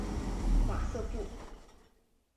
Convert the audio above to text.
马瑟布。